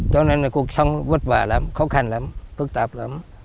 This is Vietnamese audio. cho nên là cuộc sống vất vả lắm khó khăn lắm phức tạp lắm